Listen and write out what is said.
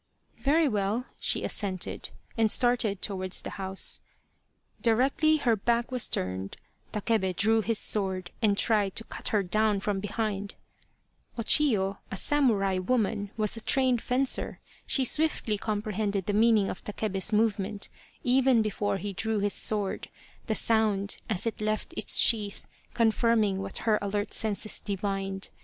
" Very well," she assented, and started towards the house. Directly her back was turned, Takebe drew his sword and tried to cut her down from behind. O Chiyo, a samurai woman, was a trained fencer. She swiftly comprehended the meaning of Takebe's movement, 210 Loyal, Even Unto Death even before he drew his sword, the sound, as it left its sheath, confirming what her alert senses divined.